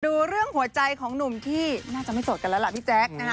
ดูเรื่องหัวใจของหนุ่มที่น่าจะไม่โสดกันแล้วล่ะพี่แจ๊คนะฮะ